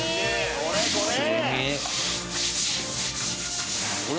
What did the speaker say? これこれ！